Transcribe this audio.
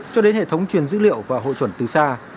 cho đến hệ thống truyền dữ liệu và hội chuẩn từ xa